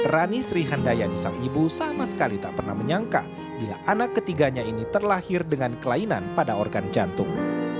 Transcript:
rani srihandayani sang ibu sama sekali tak pernah menyangka bila anak ketiganya ini terlahir dengan kelainan pada organ jantung